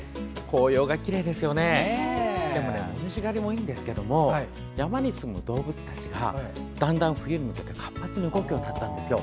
紅葉狩りもいいんですけれども山にすむ動物たちがだんだん冬に向けて活発に動くようになったんですよ。